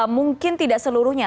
mungkin tidak seluruhnya